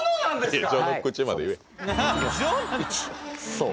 そう。